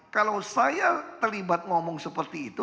kalau saya terlibat ngomong seperti itu